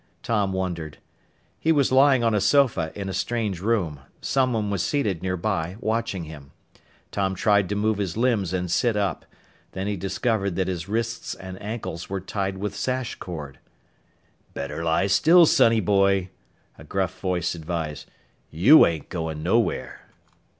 Tom wondered. He was lying on a sofa in a strange room. Someone was seated nearby, watching him. Tom tried to move his limbs and sit up. Then he discovered that his wrists and ankles were tied with sash cord. "Better lie still, sonny boy," a gruff voice advised. "You ain't goin' nowhere."